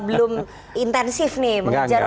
belum intensif nih mengejar